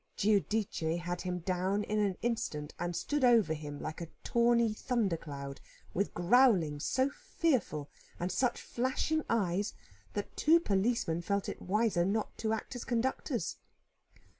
Giudice had him down in an instant, and stood over him, like a tawny thundercloud, with growlings so fearful and such flashing eyes, that two policemen felt it wiser not to act as conductors.